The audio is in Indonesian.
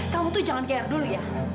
kamu tuh jangan care dulu ya